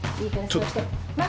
ちょっと何？